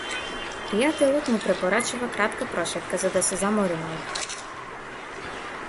Пријателот му препорачува кратка прошетка, за да се замори малку.